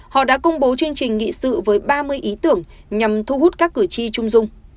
họ đã công bố chương trình nghị sự với ba mươi ý tưởng nhằm thu hút các cử tri trung dung